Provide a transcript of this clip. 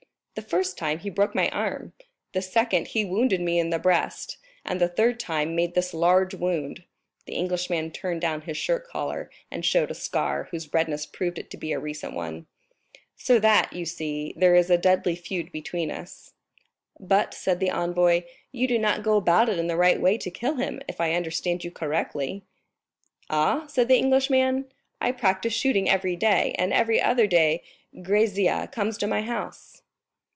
"The first time, he broke my arm; the second, he wounded me in the breast; and the third time, made this large wound." The Englishman turned down his shirt collar, and showed a scar, whose redness proved it to be a recent one. "So that, you see, there is a deadly feud between us." "But," said the envoy, "you do not go about it in the right way to kill him, if I understand you correctly." "Aw?" said the Englishman, "I practice shooting every day, and every other day Grisier comes to my house."